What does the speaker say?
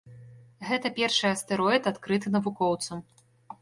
Гэта першы астэроід, адкрыты навукоўцам.